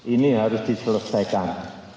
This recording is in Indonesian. ini harus diselesaikan